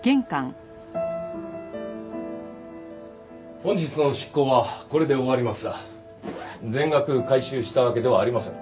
本日の執行はこれで終わりますが全額回収したわけではありません。